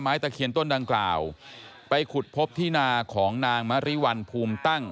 ตะเคียนต้นดังกล่าวไปขุดพบที่นาของนางมะริวัลภูมิตั้ง